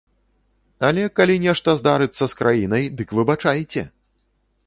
Але калі нешта здарыцца з краінай, дык выбачайце!